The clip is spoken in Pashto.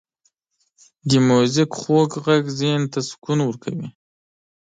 • د میوزیک خوږ ږغ ذهن ته سکون ورکوي.